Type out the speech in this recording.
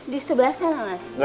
di sebelah sana mas